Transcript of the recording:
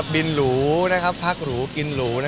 หรูพักหรูกินหรู